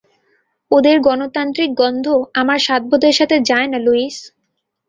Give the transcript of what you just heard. ওদের গণতান্ত্রিক গন্ধ আমার স্বাদবোধের সাথে যায় না, লুইস।